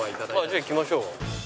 じゃあ行きましょう。